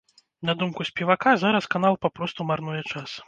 На думку спевака, зараз канал папросту марнуе час.